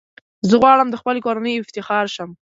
زه غواړم د خپلي کورنۍ افتخار شم .